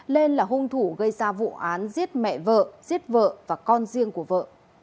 lên là hung thủ gây ra vụ án giết mẹ vợ giết vợ và con riêng của vợ